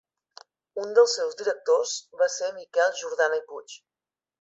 Un dels seus directors va ser Miquel Jordana i Puig.